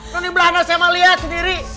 nanti belana saya mau lihat sendiri